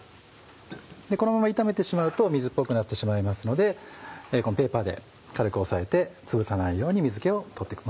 このまま炒めてしまうと水っぽくなってしまいますのでこのペーパーで軽く押さえて潰さないように水気を取って行く。